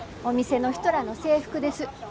お店の人らの制服です。